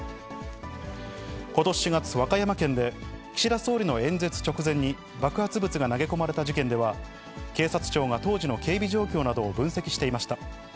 ことし４月、和歌山県で岸田総理の演説直前に、爆発物が投げ込まれた事件では、警察庁が当時の警備状況などを分析していました。